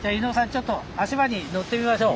ちょっと足場に乗ってみましょう。